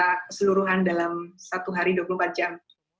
secara keseluruhan dalam satu hari dua puluh empat jam